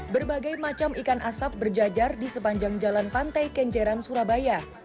berbagai macam ikan asap berjajar di sepanjang jalan pantai kenjeran surabaya